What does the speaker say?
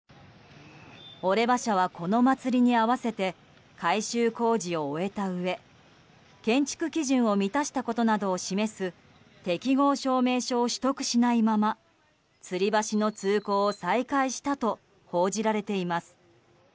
オレバ社は、この祭りに合わせて改修工事を終えたうえ建築基準を満たしたことなどを示す適合証明書を取得しないまま、つり橋の通行を再開したと報じられています。